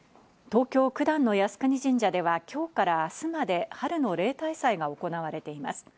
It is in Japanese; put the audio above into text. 東京・九段の靖国神社では今日から明日まで春の例大祭が行われています。